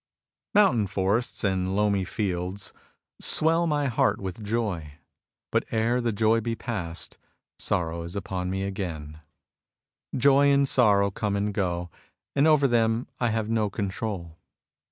Mountain forests and loamy fields swell my FUTILITY OF MAN*S LIFE 103 heart with joy. But ere the joy be passed, sorrow is upon me again. Joy and sorrow come and go, and over them I have no control.